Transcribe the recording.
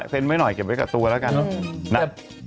ไว้หน่อยเก็บไว้กับตัวแล้วกันเนอะ